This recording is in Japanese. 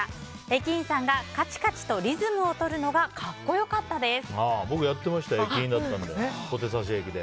駅員さんがカチカチとリズムをとるのが格好良かったです。